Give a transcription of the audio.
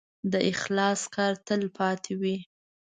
د اخلاص کار تل پاتې وي.